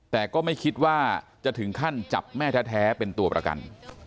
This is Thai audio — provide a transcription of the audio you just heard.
แต่ก็ไม่คิดว่าจะถึงขั้นจับแม่แท้เป็นตัวประกัน